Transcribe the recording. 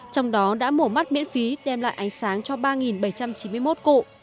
trong đó đã mổ mắt miễn phí đem lại ánh sáng cho ba bảy trăm chín mươi một cụ